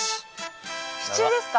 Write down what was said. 支柱ですか？